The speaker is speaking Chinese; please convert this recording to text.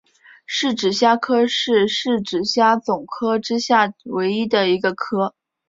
匙指虾科是匙指虾总科之下唯一的一个科。